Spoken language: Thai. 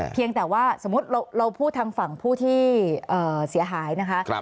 เพียงแต่ว่าสมมุติเราพูดทางฝั่งผู้ที่เสียหายนะคะ